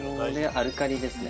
アルカリですね。